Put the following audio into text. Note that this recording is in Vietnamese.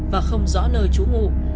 và không rõ nơi trú ngủ